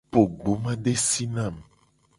Po gbomadesi na mu.